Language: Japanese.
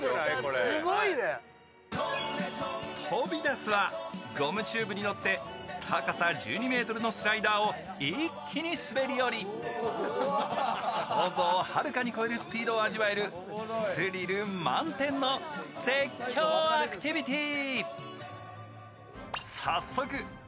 トビダスはゴムチューブに乗って高さ１２ｍのスライダーを一気に滑り降り、想像をはるかに超えるスピードを味わえるスリル満点の絶叫アクティビティー。